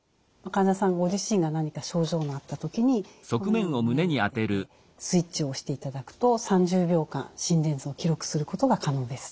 患者さんご自身が何か症状のあった時にこのように胸に当ててスイッチを押していただくと３０秒間心電図を記録することが可能です。